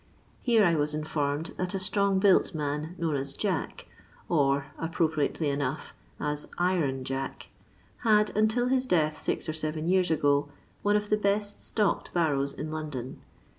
Here I was informed that a strong built man, known as Jack, or (appropriately enough) as Iron Jack, had, until his death six or seven years ago, one of the best stocked barrows in London.